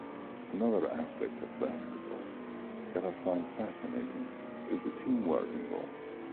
Another aspect of basketball that I find fascinating is the teamwork involved.